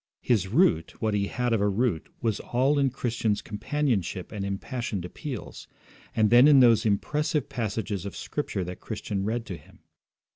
His root, what he had of a root, was all in Christian's companionship and impassioned appeals, and then in those impressive passages of Scripture that Christian read to him.